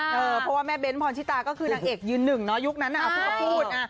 เพราะว่าแม่เบ้นพรชิตาก็คือนางเอกยืนหนึ่งเนาะยุคนั้นพูดก็พูด